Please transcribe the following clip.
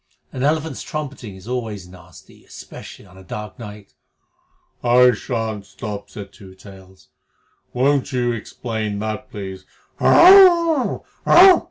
An elephant's trumpeting is always nasty, especially on a dark night. "I shan't stop," said Two Tails. "Won't you explain that, please? Hhrrmph!